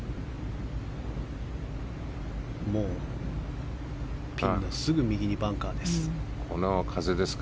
もうピンのすぐ右にバンカーです。